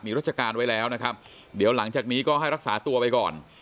ราชการไว้แล้วนะครับเดี๋ยวหลังจากนี้ก็ให้รักษาตัวไปก่อน